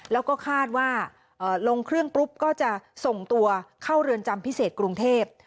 แล้วก็คาดว่าลงเครื่องปุ๊บก็จะส่งตัวเข้าเรือนจำพิเศษกรุงเทพ